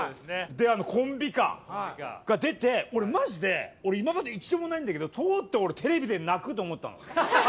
であのコンビ歌が出て俺マジで今まで一度もないんだけどとうとう俺テレビで泣くと思ったもん。